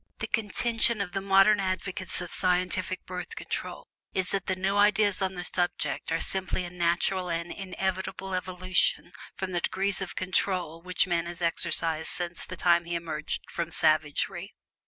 The contention of the modern advocates of scientific Birth Control is that the "new ideas" on the subject are simply a natural and inevitable evolution from the degrees of "control" which man has exercised since the time he emerged from savagery.